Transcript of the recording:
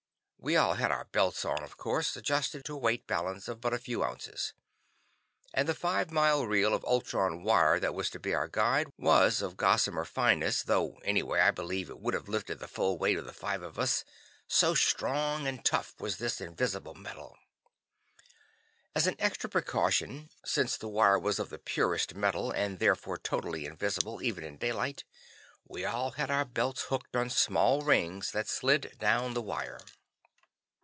We all had our belts on, of course, adjusted to a weight balance of but a few ounces. And the five mile reel of ultron wire that was to be our guide, was of gossamer fineness, though, anyway, I believe it would have lifted the full weight of the five of us, so strong and tough was this invisible metal. As an extra precaution, since the wire was of the purest metal, and therefore totally invisible, even in daylight, we all had our belts hooked on small rings that slid down the wire.